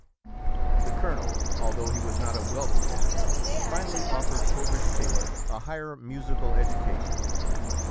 The colonel, although he was not a wealthy man, finally offered Coleridge Taylor a higher musical education.